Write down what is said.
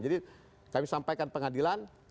jadi kami sampaikan pengadilan